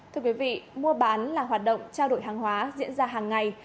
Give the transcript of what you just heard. thưa quý vị mua bán là hoạt động trao đổi hàng hóa diễn ra hàng ngày